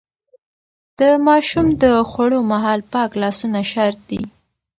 د ماشوم د خوړو مهال پاک لاسونه شرط دي.